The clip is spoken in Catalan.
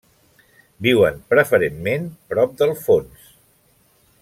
Viuen preferentment prop del fons.